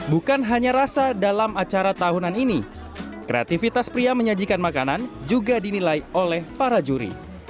bukan hanya rasa dalam acara tahunan ini kreativitas pria menyajikan makanan juga dinilai oleh para juri